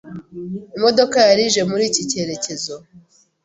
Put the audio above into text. Imodoka yari ije muri iki cyerekezo.